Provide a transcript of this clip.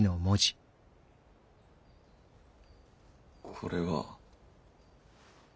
これは。